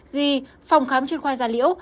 ghi phòng khám chuyên khoa gia liễu